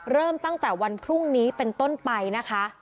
เริ่มตั้งแต่วันพรุ่งนี้เป็นต้นไปนะคะ